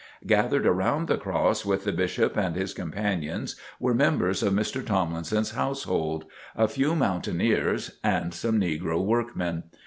Gathered around the cross with the Bishop and his companions, were members of Mr. Tomlinson's household, a few mountaineers and some negro workmen.